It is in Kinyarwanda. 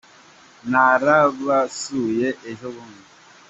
narabasuye ejobundi.